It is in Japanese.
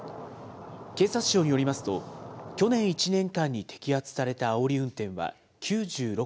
警察庁によりますと、去年１年間に摘発されたあおり運転は９６件。